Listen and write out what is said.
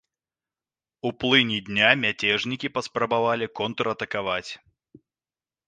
У плыні дня мяцежнікі паспрабавалі контратакаваць.